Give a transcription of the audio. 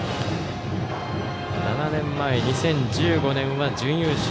７年前、２０１５年は準優勝。